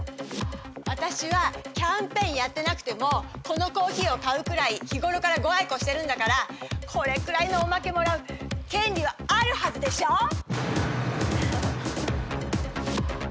私はキャンペーンやってなくてもこのコーヒーを買うくらい日ごろからご愛顧してるんだからこれくらいのおまけもらう権利はあるはずでしょ。